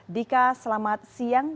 dika selamat siang